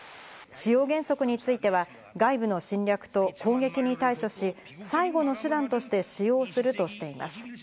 使用原則については外部の侵略と攻撃に対処し、最後の手段として使用するとしています。